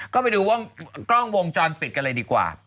ก็ไปดูกล้องวงจรปิดกันเลยดีกว่า